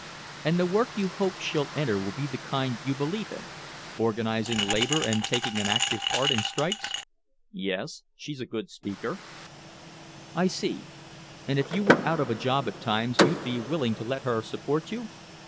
"And the work you hope she'll enter will be the kind you believe in organizing labor and taking an active part in strikes?" "Yes. She's a good speaker " "I see. And if you were out of a job at times you'd be willing to let her support you?"